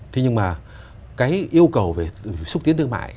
thế nhưng mà cái yêu cầu về xúc tiến thương mại